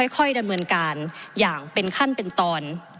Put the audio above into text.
ค่อยดำเนินการอย่างเป็นขั้นเป็นตอน